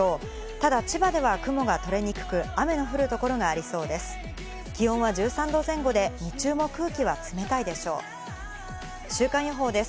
ただ千葉では雲が取れにくく、雨の降る所がありそうです。